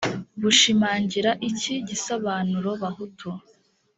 bushimangira iki gisobanuro bahutu